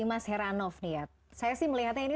mas heranov nih ya saya sih melihatnya ini